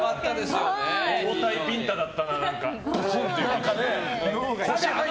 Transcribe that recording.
重たいビンタだったな。